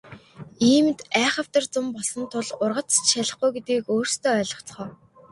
Иймд айхавтар зун болсон тул ургац ч шалихгүй гэдгийг өөрсдөө ойлгоцгоо.